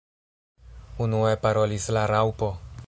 Unue parolis la Raŭpo.